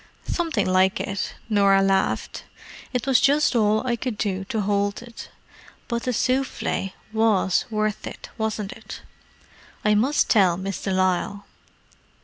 "Something like it," Norah laughed. "It was just all I could do to hold it. But the souffle was worth it, wasn't it? I must tell Miss de Lisle."